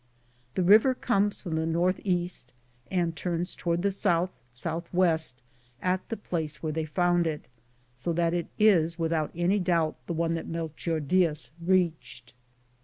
This river conies from the north east and turns toward the south southwest at the place where they found it, so that it is without any doubt the one that Melchor Diaz reached.